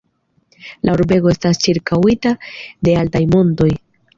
La urbego estas ĉirkaŭita de altaj montoj.